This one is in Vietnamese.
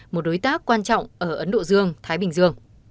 một đối tác quan trọng ở ấn độ dương thái bình dương